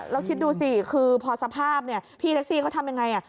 แล้วคิดดูสิคือพอสภาพพี่แท็กซี่เขาทำยังไง